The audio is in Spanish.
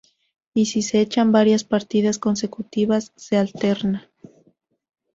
Y si se echan varias partidas consecutivas se alterna.